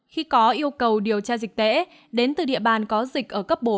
khi có yêu cầu điều tra dịch tễ đến từ địa bàn có dịch ở cấp bốn